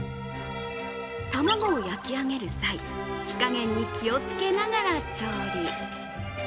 卵を焼き上げる際、火加減に気をつけながら調理。